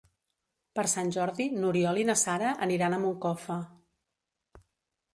Per Sant Jordi n'Oriol i na Sara aniran a Moncofa.